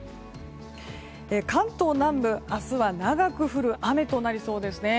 関東南部、明日は長く降る雨となりそうですね。